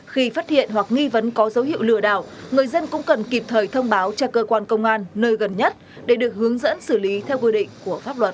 khi phát hiện hoặc nghi vấn có dấu hiệu lừa đảo người dân cũng cần kịp thời thông báo cho cơ quan công an nơi gần nhất để được hướng dẫn xử lý theo quy định của pháp luật